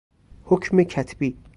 حکم کتبی